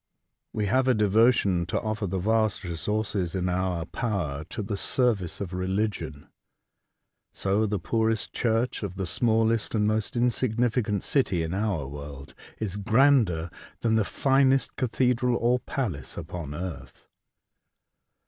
We have a devotion to offer the vast resources in our power to the service of religion. So the poorest church of the smallest and most insig nificant city in our world is grander than the finest cathedral or palace upon earth.